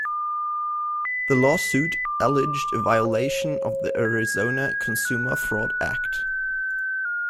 The lawsuit alleged a violation of the Arizona Consumer Fraud Act.